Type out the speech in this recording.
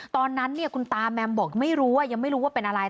ตอนนั้นคุณตาแมมบอกไม่รู้ว่ายังไม่รู้ว่าเป็นอะไร